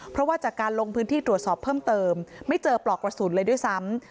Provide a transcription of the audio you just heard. เพราะว่าจากการลงพื้นที่ตรวจสอบเพิ่มเติมไม่เจอปลอกกระสุนเลยด้วยซ้ำ